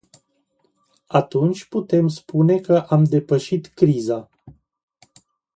Atunci putem spune că am depășit criza.